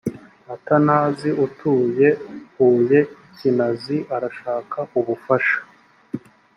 atanazi utuye huye kinazi arashaka ubufasha